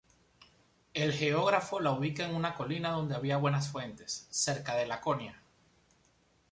El geógrafo la ubica en una colina donde había buenas fuentes, cerca de Laconia.